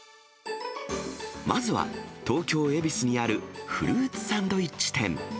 まずは、東京・恵比寿にあるフルーツサンドイッチ店。